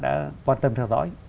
đã quan tâm theo dõi